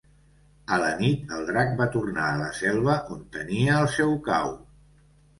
A la nit, el drac va tornar a la selva, on tenia el seu cau.